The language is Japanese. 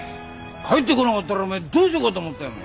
帰ってこなかったらお前どうしようかと思ったよお前。